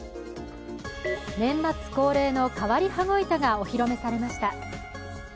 年末恒例の変わり羽子板がお披露目されました。